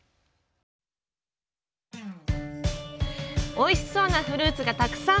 おいしそうなフルーツがたくさん！